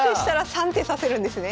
３手指せるんですね。